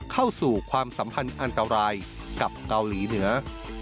เข้าสู่ความสัมพันธ์อันตรายกับเกาหลีเหนือ